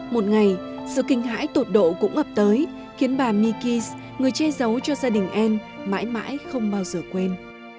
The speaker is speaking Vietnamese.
một ngày sự kinh hãi tột độ cũng ập tới khiến bà mikis người che giấu cho gia đình an mãi mãi không bao giờ quên